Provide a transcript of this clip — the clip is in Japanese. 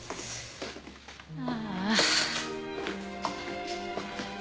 ああ。